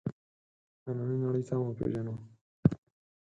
نننۍ نړۍ سمه وپېژنو.